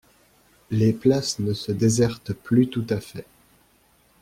Les places ne se désertent plus tout à fait.